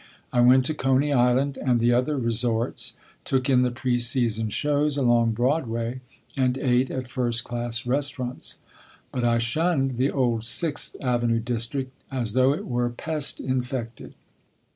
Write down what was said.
I went to Coney Island and the other resorts, took in the pre season shows along Broadway, and ate at first class restaurants; but I shunned the old Sixth Avenue district as though it were pest infected.